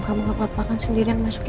kamu tidak apa apakan sendirian masuk ya